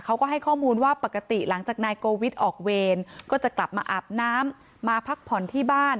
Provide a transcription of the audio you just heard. เขาก็ให้ข้อมูลว่าปกติหลังจากนายโกวิทย์ออกเวรก็จะกลับมาอาบน้ำมาพักผ่อนที่บ้าน